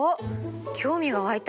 興味がわいた？